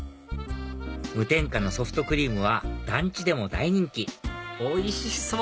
無添加のソフトクリームは団地でも大人気おいしそう！